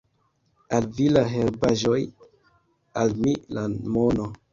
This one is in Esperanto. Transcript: Al vi la herbaĵoj, al mi la mono.